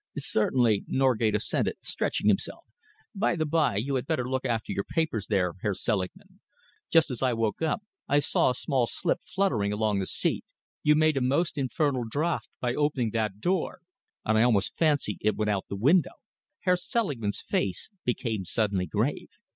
"Certainly," Norgate assented, stretching himself. "By the by, you had better look after your papers there, Herr Selingman. Just as I woke up I saw a small slip fluttering along the seat. You made a most infernal draught by opening that door, and I almost fancy it went out of the window." Herr Selingman's face became suddenly grave.